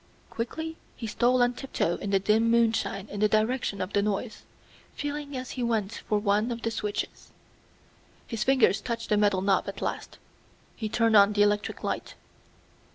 Quickly he stole on tiptoe in the dim moonshine in the direction of the noise, feeling as he went for one of the switches. His fingers touched the metal knob at last. He turned on the electric light.